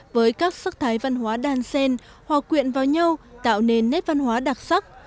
với các sắc thái văn hóa đan sen hòa quyện vào nhau tạo nên nét văn hóa đặc sắc